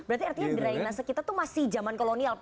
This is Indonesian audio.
berarti drainas kita itu masih zaman kolonial